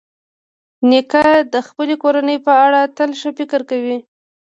نیکه د خپلې کورنۍ په اړه تل ښه فکر کوي.